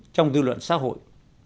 trong dư luận xã hội